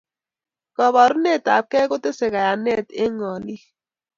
Kabarunet ab gei kotesei kayanet eng' olik